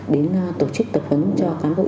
đến tổ chức tập huấn cho cán bộ